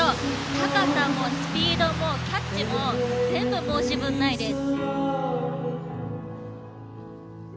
高さもスピードもタッチも全部申し分ないです。